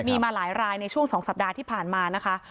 มีมาหลายรายในช่วง๒สัปดาห์ที่ผ่านมานะคะ